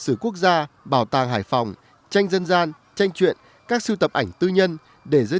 sử quốc gia bảo tàng hải phòng tranh dân gian tranh chuyện các sưu tập ảnh tư nhân để giới